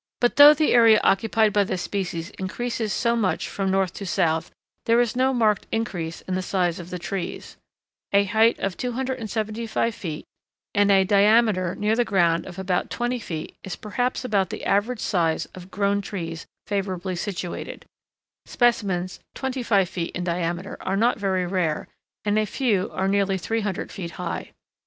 ] But though the area occupied by the species increases so much from north to south there is no marked increase in the size of the trees. A height of 275 feet and a diameter near the ground of about 20 feet is perhaps about the average size of full grown trees favorably situated; specimens 25 feet in diameter are not very rare, and a few are nearly 300 feet high.